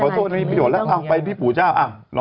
ที่พี่ผู้เจ้าหน่อย